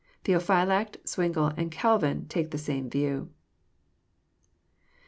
Theophylact, Zwlngle, and Calvin take the same view.